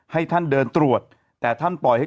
ให้ท่านเดินตรวจแต่ท่านปล่อยให้